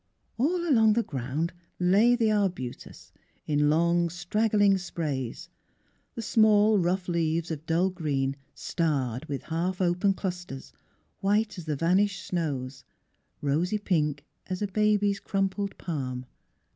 All along the ground lay the arbutus in long, straggling sprays, the small rough leaves of dull green starred with half open clusters, white as the vanished snows, rosy pink as a baby's crumpled palm.